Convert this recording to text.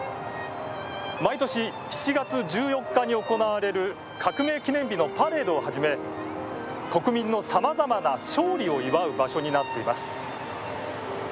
毎年、７月１４日に行われる革命記念日のパレードをはじめ国民のさまざまな勝利を祝う場所になっています。